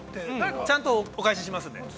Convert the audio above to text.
◆ちゃんとお返ししますので。